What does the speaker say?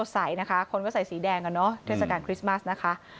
แสวนสงสัยนะคะ